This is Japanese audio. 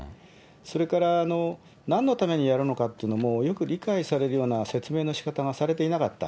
それから、なんのためにやるのかっていうのも、よく理解されるような説明のしかたがされていなかった。